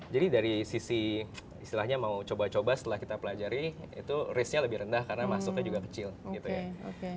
jadi dari sisi istilahnya mau coba coba setelah kita pelajari itu risknya lebih rendah karena masuknya juga kecil gitu ya